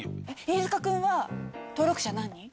飯塚君は登録者何人？